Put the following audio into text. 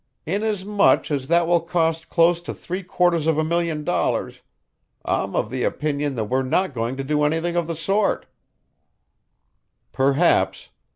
"Inasmuch as that will cost close to three quarters of a million dollars, I'm of the opinion that we're not going to do anything of the sort." "Perhaps.